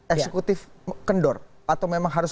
eksekutif kendor atau memang harus